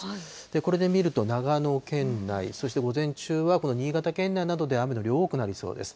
これで見ると、長野県内、そして午前中はこの新潟県内などで雨の量、多くなりそうです。